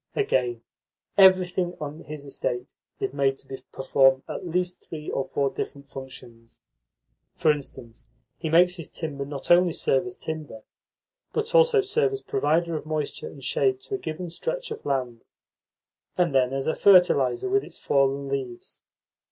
Again, everything on his estate is made to perform at least three or four different functions. For instance, he makes his timber not only serve as timber, but also serve as a provider of moisture and shade to a given stretch of land, and then as a fertiliser with its fallen leaves.